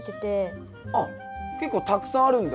あっ結構たくさんあるんだ。